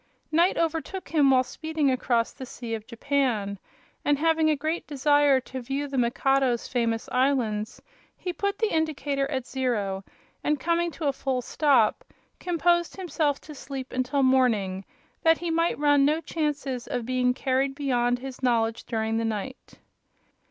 Night overtook him while speeding across the Sea of Japan, and having a great desire to view the Mikado's famous islands, he put the indicator at zero, and, coming to a full stop, composed himself to sleep until morning, that he might run no chances of being carried beyond his knowledge during the night.